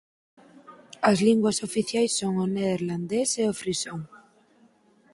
As linguas oficiais son o neerlandés e o frisón.